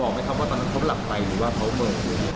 ไหมครับว่าตอนนั้นเขาหลับไปหรือว่าเขาเบิก